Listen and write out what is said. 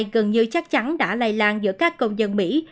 gần như chắc chắn đã lây lan giữa các công dân mỹ